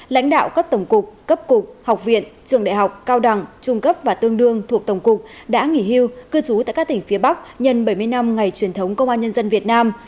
lãnh đạo cấp tổng cục cấp cục học viện trường đại học cao đẳng trung cấp và tương đương thuộc tổng cục đã nghỉ hưu cư trú tại các tỉnh phía bắc nhân bảy mươi năm ngày truyền thống công an nhân dân việt nam